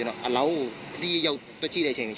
จะน้องอ่าน้องที่ยาวตัวชิ้นได้ใช่ไหม